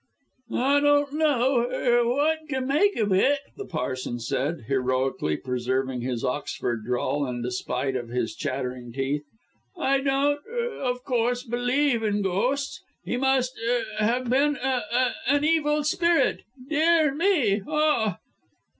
"I don't er know er what to to make of it," the parson said, heroically preserving his Oxford drawl, in spite of his chattering teeth. "I don't er, of course er, believe in gho sts! He must er have been a a an evil spirit. Dear me aw!"